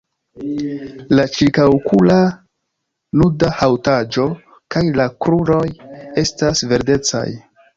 La ĉirkaŭokula nuda haŭtaĵo kaj la kruroj estas verdecaj.